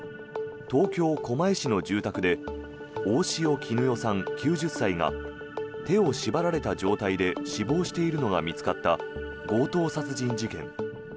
東京・狛江市の住宅で大塩衣與さん、９０歳が手を縛られた状態で死亡しているのが見つかった強盗殺人事件。